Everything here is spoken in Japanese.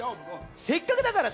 せっかくだからさ